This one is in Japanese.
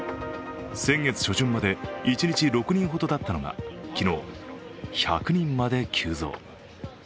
先月初旬まで一日６人ほどだったのが昨日、１００人まで急増。